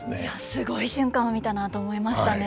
すごい瞬間を見たなと思いましたね。